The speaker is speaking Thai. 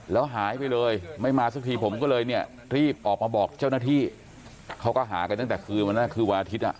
แล้วหายไปเลยไม่มาสักทีผมก็เลยเนี่ยรีบออกมาบอกเจ้าหน้าที่เขาก็หากันตั้งแต่คืนวันนั้นคือวันอาทิตย์อ่ะ